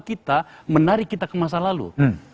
kita menarik kita ke masa lalu